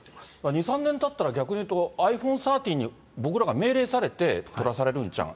２、３年たったら、逆にいうと、ｉＰｈｏｎｅ１３に僕らが命令されて、撮らされるんちゃう？